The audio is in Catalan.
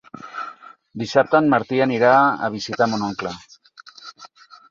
Dissabte en Martí anirà a visitar mon oncle.